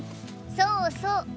そうそう。